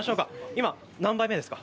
今、何杯目ですか？